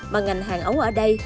mà ngành hàng ấu ở đây